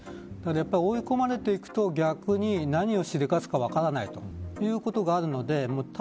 追い込まれていくと、逆に何をしでかすか分からないということがあります。